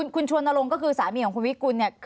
คุณชวนรงค์ก็คือสามีของคุณวิกุลเนี่ย